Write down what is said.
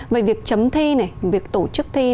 về việc chấm thi việc tổ chức thi